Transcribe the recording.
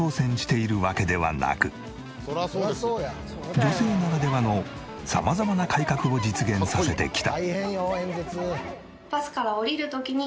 女性ならではの様々な改革を実現させてきた。